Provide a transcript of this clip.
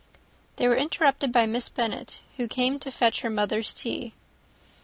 They were interrupted by Miss Bennet, who came to fetch her mother's tea.